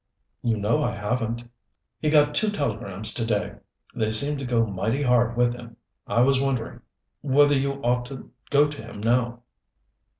"You know I haven't." "He got two telegrams to day. They seemed to go mighty hard with him. I was wondering whether you ought to go to him now."